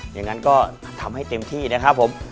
อย่างนั้นก็ทำให้เต็มที่นะครับผม